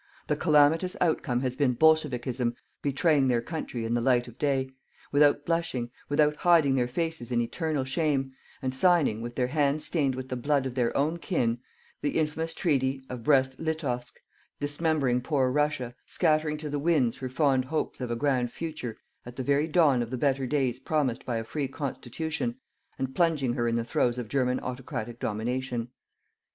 The calamitous outcome has been "bolchevikism" betraying their country in the light of day, without blushing, without hiding their faces in eternal shame, and signing, with their hands stained with the blood of their own kin, the infamous treaty of Brest Litovsk dismembering poor Russia, scattering to the winds her fond hopes of a grand future at the very dawn of the better days promised by a free constitution, and plunging her in the throes of German autocratic domination.